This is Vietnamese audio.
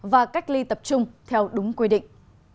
và cách ly tập trung theo đúng quy định